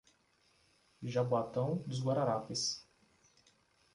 Jaboatão Dos Guararapes